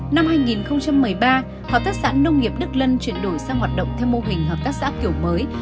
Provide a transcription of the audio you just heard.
năm hai nghìn một mươi ba hợp tác xã nông nghiệp đức lân chuyển đổi sang hoạt động theo mô hình hợp tác xã kiểu mới